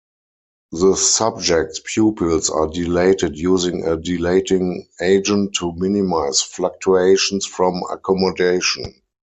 The subject's pupils are dilated using a dilating agent to minimize fluctuations from accommodation.